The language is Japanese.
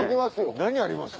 何あります？